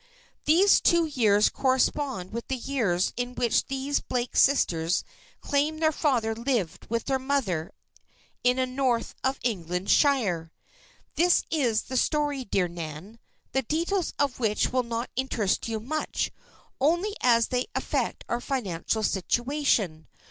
These two years correspond with the years in which these Blake sisters claim their father lived with their mother in a North of England shire. "This is the story, dear Nan, the details of which will not interest you much, only as they affect our financial situation.